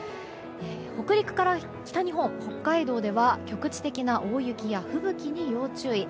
北陸から北日本、北海道では局地的な大雪や吹雪に要注意。